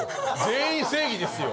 全員正義ですよ。